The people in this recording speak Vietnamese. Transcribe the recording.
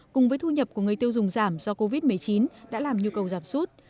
cùng với thu nhập của người tiêu dùng giảm do covid một mươi chín đã làm nhu cầu giảm sút